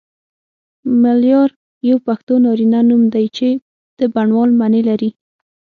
ملیار یو پښتو نارینه نوم دی چی د بڼوال معنی لری